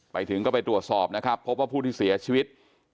ไปถึงก็ไปตรวจสอบนะครับพบว่าผู้ที่เสียชีวิต